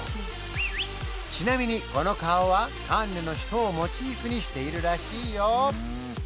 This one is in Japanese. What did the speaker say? ちなみにこの顔はカンヌの人をモチーフにしているらしいよ